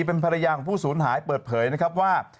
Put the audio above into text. เป็นภรรยาของผู้สูญหายเปิดเผยนะครับว่า